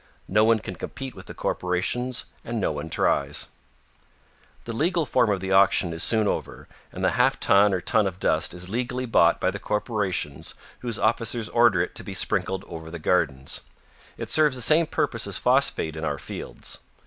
No one can compete with the corporations and no one tries. [Illustration: The Most Horrible Auction in Our Universe.] The legal form of the auction is soon over and the half ton or ton of dust is legally bought by the corporations whose officers order it to be sprinkled over the gardens. It serves the same purpose as phosphate in our fields.